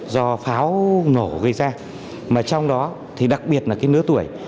do pháo nổ gây ra mà trong đó thì đặc biệt là cái lứa tuổi